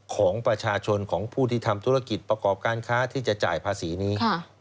ของประชาชนของผู้ที่ทำธุรกิจประกอบการค้าที่จะจ่ายภาษีนี้